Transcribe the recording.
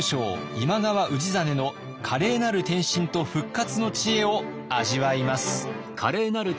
今川氏真の華麗なる転身と復活の知恵を味わいます。